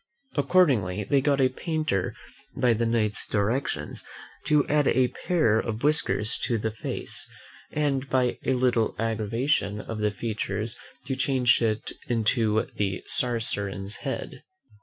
Accordingly, they got a painter by the Knight's directions to add a pair of whiskers to the face, and by a little aggravation of the features to change it into the SARACEN'S HEAD.